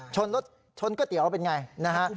ชนรถชนก๋อเตี๋ยวเป็นไงนะฮะ